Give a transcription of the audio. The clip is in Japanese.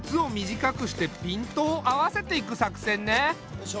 よいしょ。